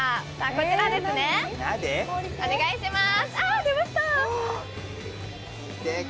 こちらですね、お願いします。